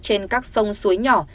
trên các sông suối nhỏ